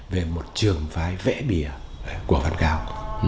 về một trường phái vẽ bìa của văn cao